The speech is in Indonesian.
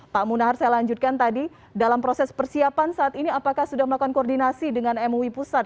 pak munahar saya lanjutkan tadi dalam proses persiapan saat ini apakah sudah melakukan koordinasi dengan mui pusat